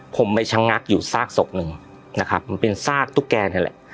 ผมไปชะงักอยู่ซากศพหนึ่งนะครับมันเป็นซากตุ๊กแกนี่แหละ